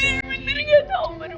aku bener bener gak tau